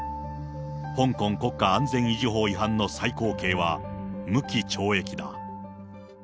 香港国家安全維持法違反の最高刑は無期懲役だ。